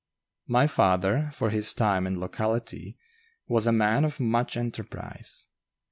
My father, for his time and locality, was a man of much enterprise.